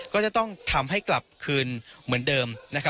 ก็จะต้องทำให้กลับคืนเหมือนเดิม